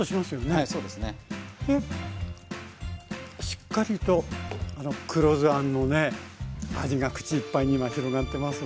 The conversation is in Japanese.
しっかりと黒酢あんのね味が口いっぱいに今広がってます。